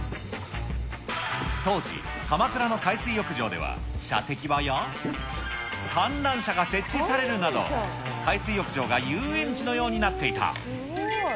当時、鎌倉の海水浴場では、射的場や観覧車が設置されるなど、海水浴場が遊園地のようになっていた。